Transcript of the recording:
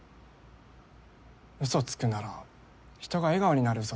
ウソつくなら人が笑顔になるウソ